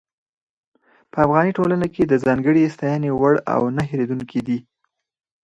په افغاني ټولنه کې د ځانګړې ستاينې وړ او نۀ هېرېدونکي دي.